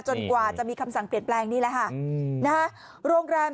จนกว่ามีคำสั่งเปลี่ยนแปลงนี้ล่ะครับโรงแรม